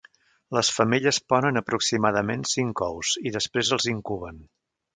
Les femelles ponen aproximadament cinc ous i després els incuben.